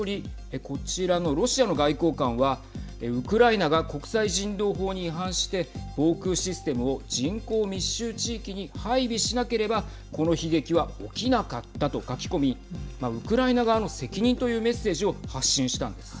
こちらのロシアの外交官はウクライナが国際人道法に違反して防空システムを人口密集地域に配備しなければこの悲劇は起きなかったと書き込みウクライナ側の責任というメッセージを発信したんです。